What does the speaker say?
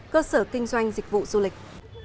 cơ sở kinh doanh dịch vụ du lịch